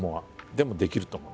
でもできると思う。